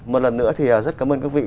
một lần nữa thì rất cảm ơn các vị